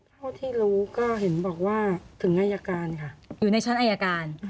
เท่าที่รู้ก็เห็นบอกว่าถึงอายการค่ะ